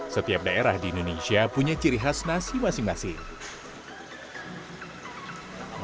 setiap daerah di indonesia punya ciri khas nasi masing masing